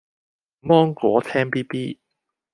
個芒果青咇咇